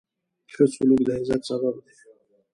ښه سلوک د عزت سبب دی.